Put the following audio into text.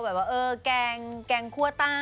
แบบว่าแกงแกงคั่วใต้